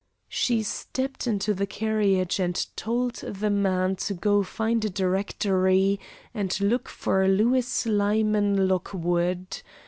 She stepped into the carriage, and told the man to go find a directory and look for Lewis Lyman Lockwood.